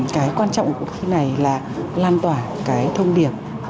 cái quan trọng của cuộc thi này là lan tỏa cái thông điệp